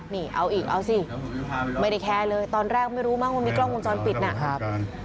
นี่เอาอีกเอาสิไม่ได้แคร์เลยตอนแรกไม่รู้มั้งว่ามีกล้องวงจรปิดนะครับ